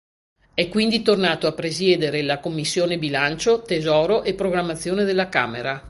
È quindi tornato a presiedere la commissione bilancio, tesoro e programmazione della Camera.